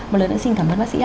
một lần nữa xin cảm ơn bác sĩ ạ